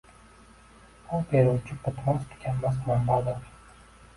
U beruvchi, bitmas-tuganmas manbadir